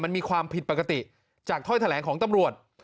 มันมีความผิดปกติจากถ้อยแถลงของตำรวจ